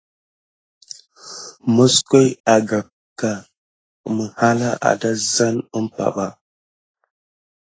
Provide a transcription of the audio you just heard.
Moskoyo a gakeká mihala a da zane umpay.